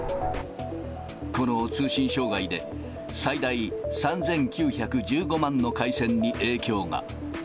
この通信障害で、最大３９１５万の回線に影響が。